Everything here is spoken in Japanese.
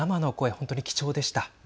本当に貴重でした。